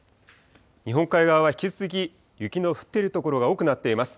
日本海側は引き続き雪の降っている所が多くなっています。